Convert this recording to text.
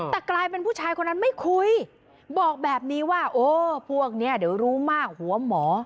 แต่กลายเป็นผู้ชายคนนั้นไม่คุยบอกแบบนี้ว่าโอ้พวกเนี้ยเดี๋ยวรู้มากหัวหมอ